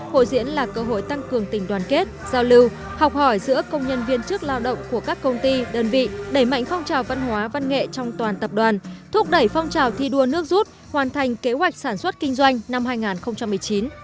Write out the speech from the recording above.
hội diễn là cơ hội tăng cường tình đoàn kết giao lưu học hỏi giữa công nhân viên chức lao động của các công ty đơn vị đẩy mạnh phong trào văn hóa văn nghệ trong toàn tập đoàn thúc đẩy phong trào thi đua nước rút hoàn thành kế hoạch sản xuất kinh doanh năm hai nghìn một mươi chín